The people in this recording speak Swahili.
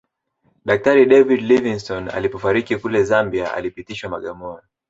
Daktari David Livingstone alipofariki kule Zambia alipitishwa Bagamoyo